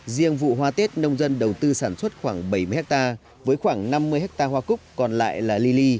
riêng vụ hoa tết nông dân đầu tư sản xuất khoảng bảy mươi hectare với khoảng năm mươi hectare hoa cúc còn lại là ly ly